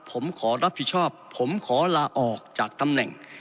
ผมขอรับผิดชอบผมขอลาออกจากตำแหน่ง